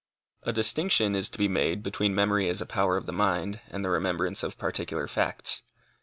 A distinction is to be made between memory as a power of the mind and the remembrance of particular facts.